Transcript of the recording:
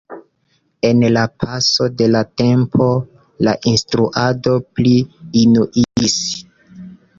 En la paso de la tempo la instruado pli unuiĝis.